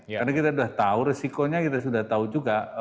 karena kita sudah tahu resikonya kita sudah tahu juga